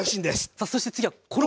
さあそして次は衣。